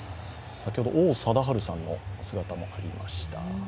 先ほど、王貞治さんの姿もありました。